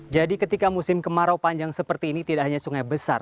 jadi ketika musim kemarau panjang seperti ini tidak hanya sungai besar